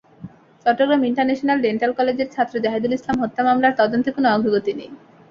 Chittagong international dental কলেজের ছাত্র জাহেদুল ইসলাম হত্যা মামলার তদন্তে কোনো অগ্রগতি নেই।